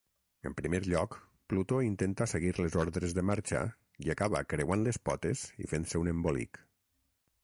En primer lloc, Plutó intenta seguir les ordres de marxa i acaba creuant les potes i fent-se un embolic.